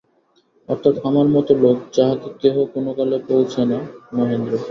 অর্থাৎ আমার মতো লোক, যাহাকে কেহ কোনোকালে পোঁছে না- মেহেন্দ্র।